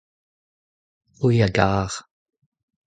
c'hwi a gar.